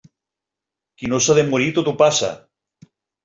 Qui no s'ha de morir, tot ho passa.